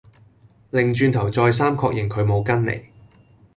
擰轉頭再三確認佢冇跟嚟